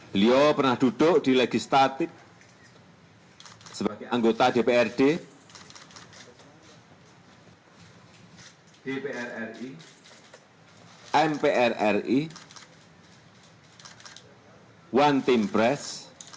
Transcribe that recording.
beliau pernah duduk di legislatif sebagai anggota dprd dpr ri mpr ri one team press